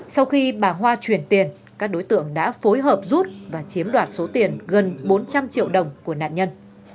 sau khi bà hoa chuyển tiền các đối tượng đã phối hợp rút và chiếm đoạt số tiền gần bốn trăm linh triệu đồng của nạn nhân